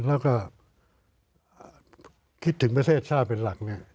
แล้วก็คิดถึงประเทศชาติเป็นหลัก